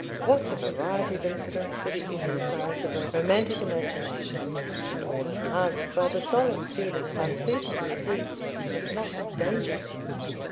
What a variety of incidents for the exercise of a romantic imagination, and all enhanced by the solemn feeling of uncertainty at least, if not of danger!